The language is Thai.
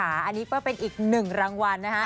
อันนี้ก็เป็นอีกหนึ่งรางวัลนะฮะ